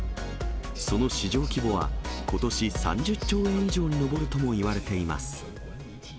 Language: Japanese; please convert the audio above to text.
その市場規模は、ことし３０兆円以上に上るともいわれています。